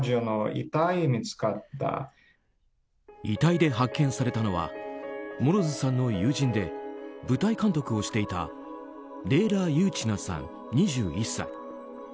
遺体で発見されたのはモロズさんの友人で舞台監督をしていたレーラ・ユーチナさん、２１歳。